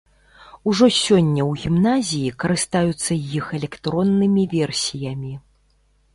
Ужо сёння ў гімназіі карыстаюцца іх электроннымі версіямі.